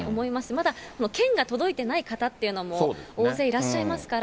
まだ、券が届いていない方というのも大勢いらっしゃいますから。